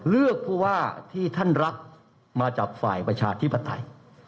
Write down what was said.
เลือกผู้ว่าที่ท่านรักมาจากฝ่ายประชาธิปไตย